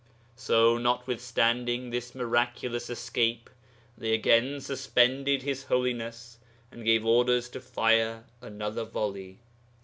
'So, notwithstanding this miraculous escape, they again suspended His Holiness, and gave orders to fire another volley.